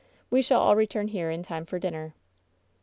We shall all return here in time for dinner."